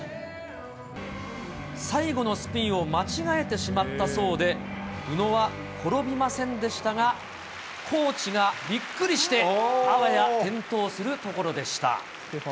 最後のスピンを間違えてしまったそうで、宇野は転びませんでしたが、コーチがびっくりして、あわや転倒するところでした。